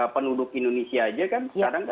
penduduk indonesia saja kan